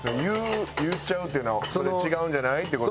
言っちゃうっていうのは「それ違うんじゃない？」っていう事？